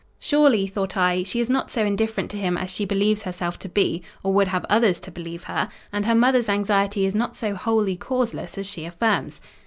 "Surely," thought I, "she is not so indifferent to him as she believes herself to be, or would have others to believe her; and her mother's anxiety is not so wholly causeless as she affirms."